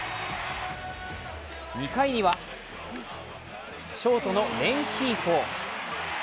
２回にはショートのレンヒーフォ。